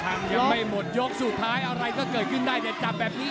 ยังไม่หมดยกสุดท้ายอะไรที่ก็ให้เกิดขึ้นใดใดจำแบบนี้